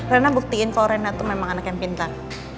rena buktiin kalau rena tuh memang anak yang pinter